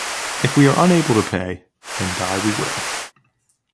If we are unable to pay, then die we will.